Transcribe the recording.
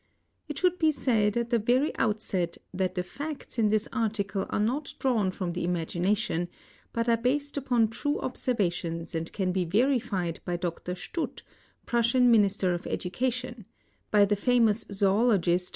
It should be said at the very outset that the facts in this article are not drawn ffom the imagination, but are based upon true observations and cajh be verified by Dr. Studt, IPrussIan Min ister of Education; by the famous zoologist.